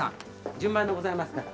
順番でございますから。